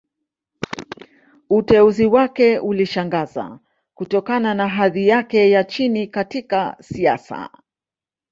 Uteuzi wake ulishangaza, kutokana na hadhi yake ya chini katika siasa.